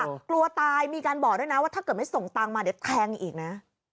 กลัวตายมีการบอกด้วยนะว่าถ้าเกิดไม่ส่งตังค์มาเดี๋ยวแทงอีกนะ